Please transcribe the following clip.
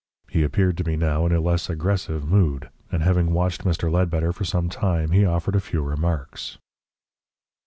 He appeared to be now in a less aggressive mood, and having watched Mr. Ledbetter for some time, he offered a few remarks.